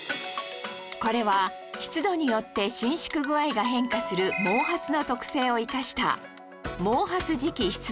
これは湿度によって伸縮具合が変化する毛髪の特性を生かした